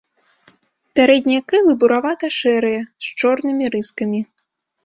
Пярэднія крылы буравата-шэрыя з чорнымі рыскамі.